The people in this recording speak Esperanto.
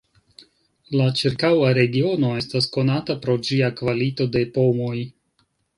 La ĉirkaŭa regiono estas konata pro ĝia kvalito de pomoj.